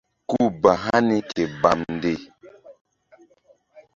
Ku ba hani ke bamnde.